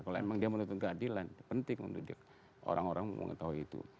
kalau emang dia menuntun keadilan penting untuk orang orang mengetahui itu